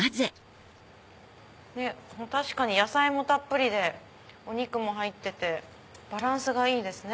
確かに野菜もたっぷりでお肉も入っててバランスがいいですね。